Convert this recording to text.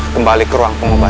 kembali ke ruang pengobatan